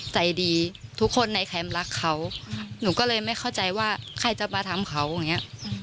ใจดีทุกคนในแคมป์รักเขาหนูก็เลยไม่เข้าใจว่าใครจะมาทำเขาอย่างเงี้ย